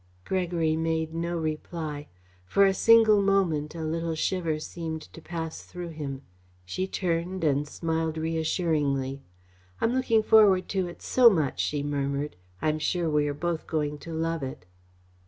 Gregory made no reply. For a single moment a little shiver seemed to pass through him. She turned and smiled reassuringly. "I am looking forward to it so much," she murmured. "I'm sure we are both going to love it."